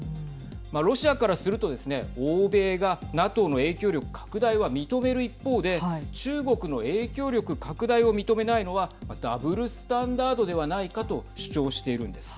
ロシアからするとですね、欧米がＮＡＴＯの影響力拡大は認める一方で中国の影響力拡大を認めないのはダブルスタンダードではないかと主張しているんです。